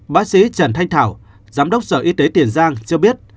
bác sĩ trần thanh thảo giám đốc sở y tế tiền giang cho biết